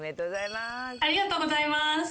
ありがとうございます！